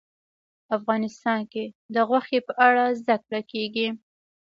افغانستان کې د غوښې په اړه زده کړه کېږي.